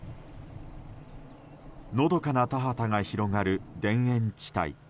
のどかな田畑が広がる田園地帯。